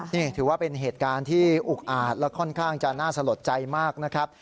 นี่ถือว่าเป็นเหตุการณ์ที่อุกอาจและค่อนข้างจะน่าสลดใจมากนะครับ